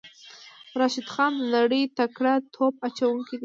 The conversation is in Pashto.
راشد خان د نړۍ تکړه توپ اچوونکی دی.